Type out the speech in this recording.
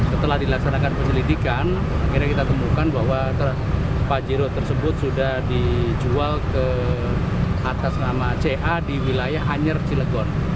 setelah dilaksanakan penyelidikan akhirnya kita temukan bahwa pajero tersebut sudah dijual ke atas nama ca di wilayah anyer cilegon